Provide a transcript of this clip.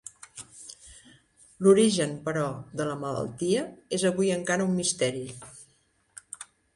L'origen, però, de la malaltia, és avui encara un misteri.